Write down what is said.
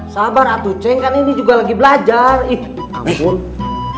sabar atau ceng kan ini juga lagi belajar